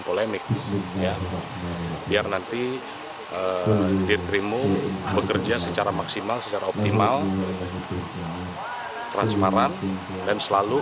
polemik ya biar nanti dirimu bekerja secara maksimal secara optimal transparan dan selalu